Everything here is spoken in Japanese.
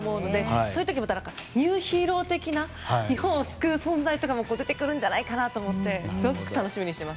そういうときにニューヒーロー的な日本を救う存在も出てくるんじゃないかと思ってすごく楽しみにしてます。